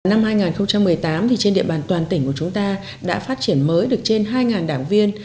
năm hai nghìn một mươi tám trên địa bàn toàn tỉnh của chúng ta đã phát triển mới được trên hai đảng viên